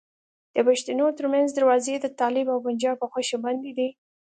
د پښتنو ترمنځ دروازې د طالب او پنجاب په خوښه بندي دي.